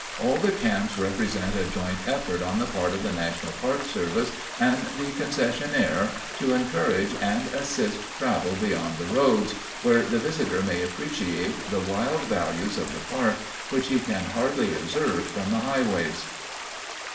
All the camps represent a joint effort on the part of the National Park Service and the concessionaire to encourage and assist travel beyond the roads, where the visitor may appreciate the wild values of the park which he can hardly observe from the highways.